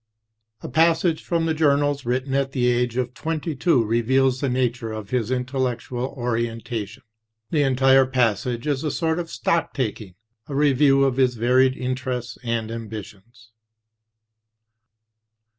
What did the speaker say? A passage from the journals, written at the age of twenty two, reveals the nature of his intellectual orientation. The entire passage is a sort of stock taking, a review of his varied interests and ambitions.